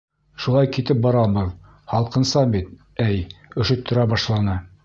Шулай китеп барабыҙ, һалҡынса бит, әй, өшөттөрә башланы.